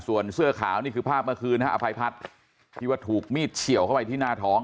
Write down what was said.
ส่วนเสื้อขาวนี่คือภาพเมื่อคืนฮะอภัยพัฒน์ที่ว่าถูกมีดเฉียวเข้าไปที่หน้าท้อง